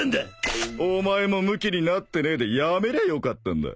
［お前もむきになってねえでやめりゃよかったんだ］